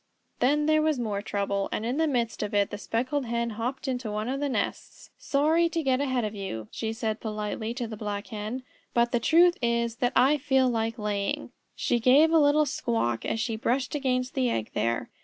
Then there was more trouble, and in the midst of it the Speckled Hen hopped into one of the nests. "Sorry to get ahead of you," she said politely to the Black Hen, "but the truth is that I feel like laying." She gave a little squawk as she brushed against the egg there.